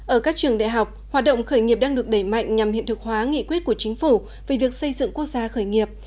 ở các trường đại học hoạt động khởi nghiệp đang được đẩy mạnh nhằm hiện thực hóa nghị quyết của chính phủ về việc xây dựng quốc gia khởi nghiệp